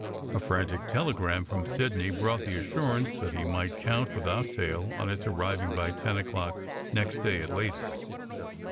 A frantic telegram from Sidney brought the assurance that he might count without fail on its arriving by ten o clock next day at latest.